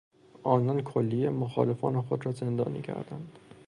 آنان کلیهی مخالفان خود را زندانی کردند.